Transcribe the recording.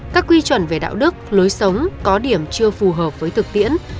các quy chuẩn về đạo đức lối sống có điểm chưa phù hợp với thực tiễn